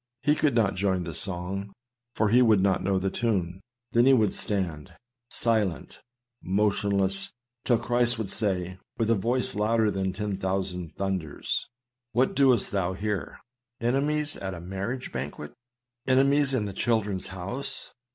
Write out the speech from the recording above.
He could not join the song, for he would not know the tune. There he would stand, silent, motionless; till Christ would say, with a voice louder than ten thousand thunders, " What dost thou here ? Enemies at a mar riage banquet? Enemies in the children's house?